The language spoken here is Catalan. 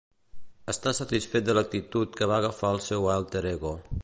Està satisfet de l'actitud que va agafant el seu alter ego.